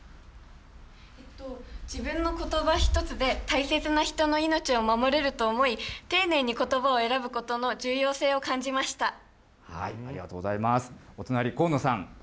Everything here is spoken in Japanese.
自分のことば一つで、大切な人の命を守れると思い、丁寧にことばを選ぶことの重要性を感じました。